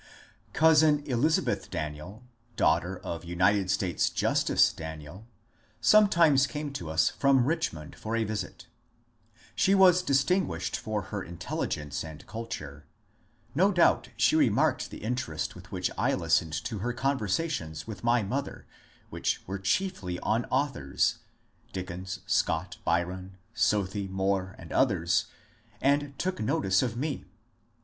Cousin Elizabeth Daniel, daughter of United States Justice Daniel, sometimes came to us from Richmond for a visit She was distinguished for her intelligence and culture. No doubt she remarked the interest with which I listened to her con versations with my mother, which were chiefly on authors, — Dickens, Scott, Byron, Southey, Moore, and others, — and took notice of me.